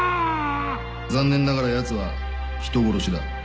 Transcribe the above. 残念ながらやつは人殺しだ。